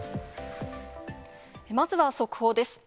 まずは速報です。